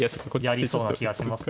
やりそうな気がしますね。